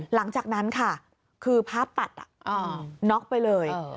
หลังจากนั้นค่ะคือภาพตัดน็อกไปเลย